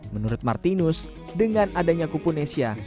menurut martinus dengan adanya kuponesia